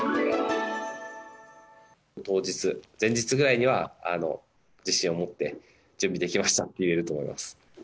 当日、前日ぐらいには、自信を持って、準備できましたと言えると思います。